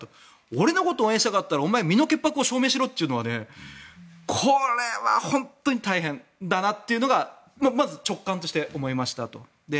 俺のことを応援したかったらお前、身の潔白を証明しろというのはこれは本当に大変だなというのがまず直感として思いましたと。